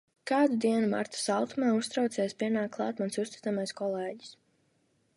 Kādu dienu, marta saltumā, uztraucies pienāk klāt mans uzticamais kolēģis.